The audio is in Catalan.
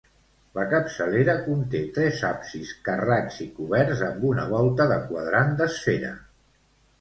La capçalera conté tres absis carrats i coberts amb una volta de quadrant d'esfera.